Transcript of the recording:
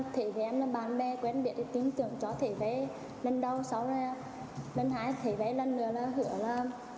thế với em là bạn bè quen biết tính tưởng cho thế với lần đầu sau lần hai thế với lần nữa là hứa là